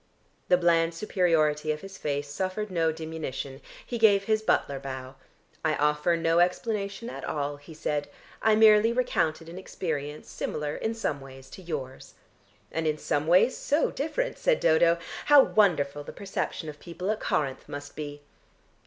The bland superiority of his face suffered no diminution. He gave his butler bow. "I offer no explanation at all," he said, "I merely recounted an experience similar in some ways to yours." "And in some ways so different," said Dodo. "How wonderful the perception of people at Corinth must be!"